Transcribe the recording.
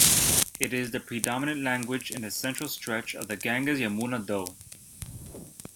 It is the predominant language in the central stretch of the Ganges-Yamuna Doab.